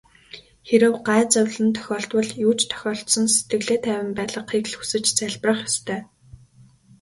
Хэрэв гай зовлон тохиолдвол юу ч тохиолдсон сэтгэлээ тайван байлгахыг л хүсэж залбирах ёстой.